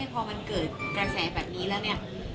พอมันเกิดกระแสแบบนี้แล้วเนี่ย